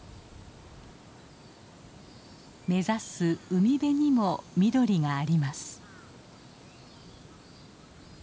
目指す海辺にも緑があります。